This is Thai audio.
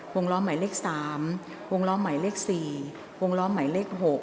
ล้อหมายเลข๓วงล้อหมายเลข๔วงล้อหมายเลข๖